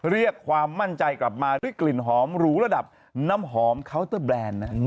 เรียกความมั่นใจกลับมาด้วยกลิ่นหอมหรูระดับน้ำหอมเคาน์เตอร์แบรนด์